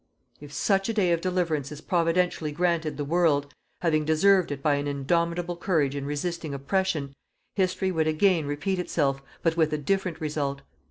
If such a day of deliverance is Providentially granted the world, having deserved it by an indomitable courage in resisting oppression, history would again repeat itself but with a different result.